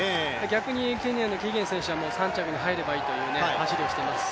逆にケニアのキゲン選手は３着に入ればいいという話をしてます。